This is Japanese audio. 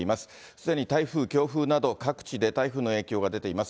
すでに台風、強風など各地で台風の影響が出ています。